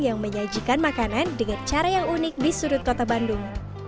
yang menyajikan makanan dengan cara yang unik di sudut kota bandung